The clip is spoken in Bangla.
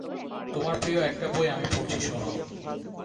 তোমার প্রিয় একটা বই আমি পড়ছি শোনো।